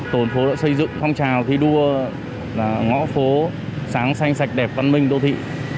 tổn phố đã xây dựng phong trào thi đua là ngõ phố sáng xanh sạch đẹp văn minh đô thị